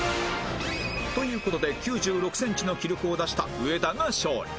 という事で９６センチの記録を出した上田が勝利